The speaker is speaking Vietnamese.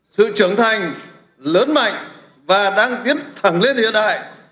sự trưởng thành lớn mạnh và đang tiến thẳng lên hiện đại